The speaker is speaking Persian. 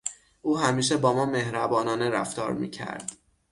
او همیشه با ما مهربانانه رفتار میکرد.